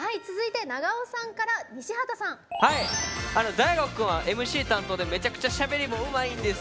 大吾君はＭＣ担当でめちゃくちゃしゃべりもうまいんです。